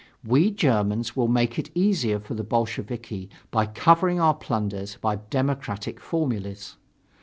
We Germans will make it easier for the Bolsheviki by covering our plunders by democratic formulas.